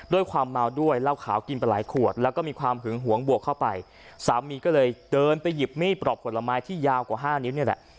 ด้วยความเมาด้วยเหล้าขาวกินไปหลายขวดแล้วก็มีความหึงหวงบวกเข้าไปสามีก็เลยเดินไปหยิบมีดปลอกผลไม้ที่ยาวกว่าห้านิ้วนี่แหละ